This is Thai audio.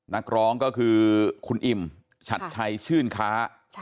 นักร้องก็คือคุณอิ่มชัดชัยชื่นค้า